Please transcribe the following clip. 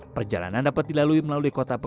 perjalanan dapat dilalui melalui kota kota di sini